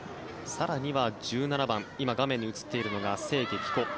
更には１７番、今画面に映っているのが清家貴子。